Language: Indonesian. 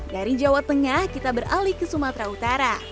dari jawa tengah kita beralih ke sumatera utara